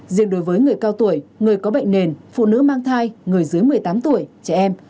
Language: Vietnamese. riêng đối với người cao tuổi người có bệnh nền phụ nữ mang thai người dưới một mươi tám tuổi trẻ em